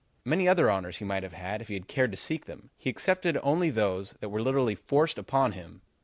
Many other honors he might have had if he had cared to seek them. He accepted only those that were literally forced upon him.